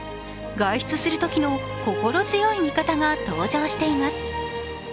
外出するときの心強い味方が登場しています。